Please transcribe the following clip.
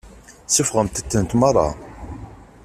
Suffɣemt-tent meṛṛa.